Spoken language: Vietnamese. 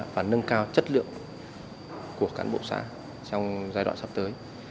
và nâng cao chất lượng của cán bộ xã trong giai đoạn sắp tới